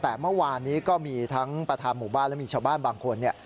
แต่เมื่อวานนี้ก็มีทั้งประธานหมู่บ้านและมีชาวบ้านบางคนเนี่ย